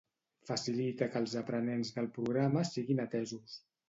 Facilita que els aprenents del programa siguin atesos